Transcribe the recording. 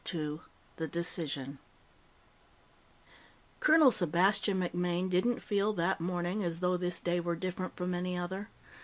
_The Decision__ Colonel Sebastian MacMaine didn't feel, that morning, as though this day were different from any other.